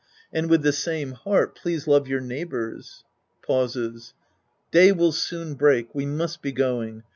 And, with the same heart, please love your neighbors. {Pauses.) Day will soon break. We must be going.